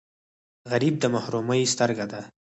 غریب د محرومۍ سترګه ده